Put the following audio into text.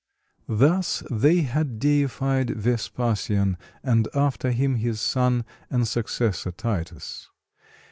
Thus they had deified Vespasian, and after him his son and successor Titus.